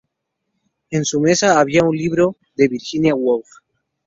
En su mesa había un libro de Virginia Woolf.